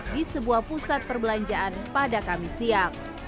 di sebuah pusat perbelanjaan pada kamis siang